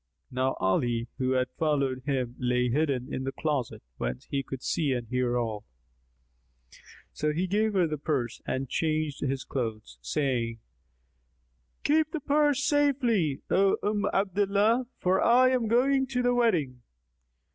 (Now Ali, who had followed him lay hidden in a closet whence he could see and hear all.) So he gave her the purse and changed his clothes, saying, "Keep the purse safely, O Umm Abdallah, for I am going to the wedding."